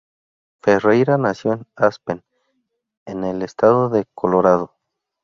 Ferreira nació en Aspen, en el estado de Colorado.